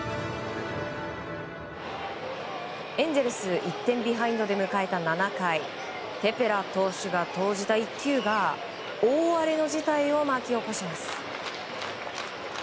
エンゼルス１点ビハインドで迎えた７回テペラ投手が投じた１球が大荒れの事態を巻き起こします。